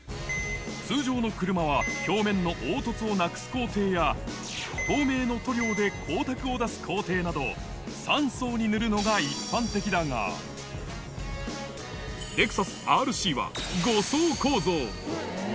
通常の車は表面の凹凸をなくす工程や、透明の塗料で光沢を出す工程など、３層に塗るのが一般的だが、レクサスＲＣは５層構造。